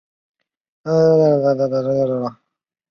鲁迅曾批评这种做法。